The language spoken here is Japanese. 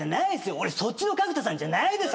俺そっちの角田さんじゃないです。